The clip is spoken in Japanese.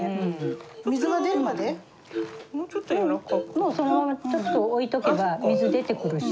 もうそのままちょっと置いとけば水出てくるし。